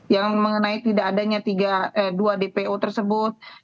yang mengenai tidak adanya dua dpo tersebut